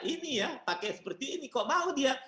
ini ya pakai seperti ini kok mau dia